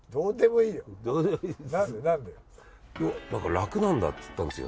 楽なんだって言ったんですよ。